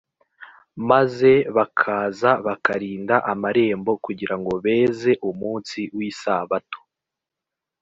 maze bakaza bakarinda amarembo kugira ngo beze umunsi w’isabato